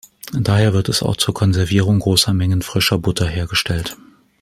Daher wird es auch zur Konservierung großer Mengen frischer Butter hergestellt.